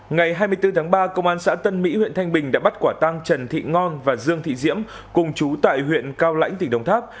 ngày hai mươi bốn tháng ba công an xã tân mỹ huyện thanh bình đã bắt quả tăng trần thị ngon và dương thị diễm cùng chú tại huyện cao lãnh tỉnh đồng tháp